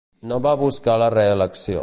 No va buscar la reelecció.